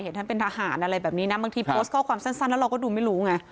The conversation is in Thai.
ท่านเป็นทหารอะไรแบบนี้นะบางทีโพสต์ข้อความสั้นแล้วเราก็ดูไม่รู้ไง